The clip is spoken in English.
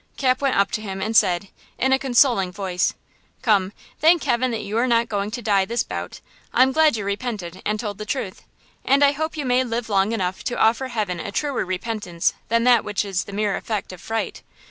Cap went up to him and said, in a consoling voice: "Come, thank heaven that you are not going to die this bout! I'm glad you repented and told the truth; and I hope you may live long enough to offer heaven a truer repentance than that which is the mere effect of fright!